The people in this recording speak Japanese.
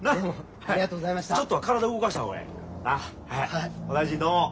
はいお大事にどうも。